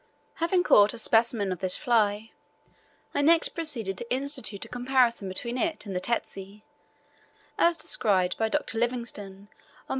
Having caught a specimen of this fly, I next proceeded to institute a comparison between it and the tsetse, as described by Dr. Livingstone on pp.